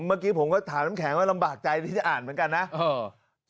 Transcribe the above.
เมื่อกี้ผมก็ถามน้ำแข็งว่าลำบากใจที่จะอ่านเหมือนกันนะเออ